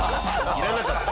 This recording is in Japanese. いらなかった。